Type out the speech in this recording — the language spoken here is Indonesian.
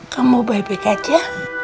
kamu baik baik aja